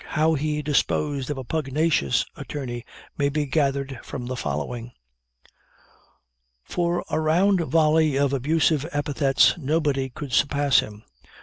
How he disposed of a pugnacious attorney may be gathered from the following: "For a round volley of abusive epithets nobody could surpass him.